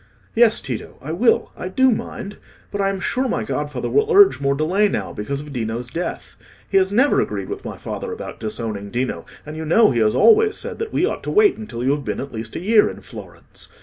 "Yes, Tito, I will, I do mind. But I am sure my godfather will urge more delay now, because of Dino's death. He has never agreed with my father about disowning Dino, and you know he has always said that we ought to wait until you have been at least a year in Florence.